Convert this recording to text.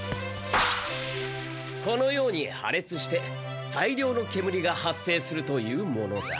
このようにはれつして大量の煙が発生するというものだ。